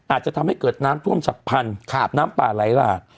อาจจะทำให้เกิดน้ำท่วมฉับพันธุ์น้ำป่าไหลหลาก